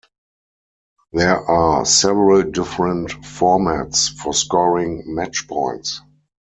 There are several different formats for scoring match points.